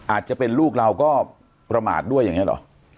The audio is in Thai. อาจจะเป็นลูกเราก็ประมาทด้วยอย่างนี้หรอ